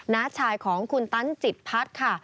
ณชายของคุณตันจิตภัทรค่ะ